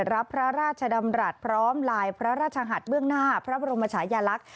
รับพระราชดำรัฐพร้อมลายพระราชหัสเบื้องหน้าพระบรมชายลักษณ์